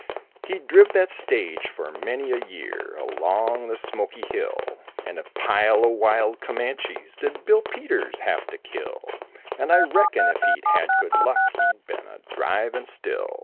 He driv that stage for many a year Along the Smokey Hill, And a pile o' wild Comanches Did Bill Peters have to kill, And I reckon if he'd had good luck He'd been a drivin' still.